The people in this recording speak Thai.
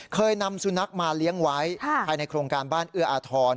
เคยนำสุนัขมาเลี้ยงไว้ภายในโครงการบ้านเอื้ออาทร